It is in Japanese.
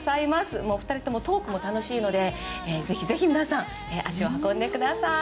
２人ともトークも楽しいのでぜひぜひ皆さん足を運んでください。